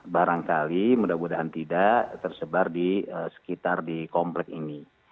barangkali mudah mudahan tidak tersebar di sekitar di komplek ini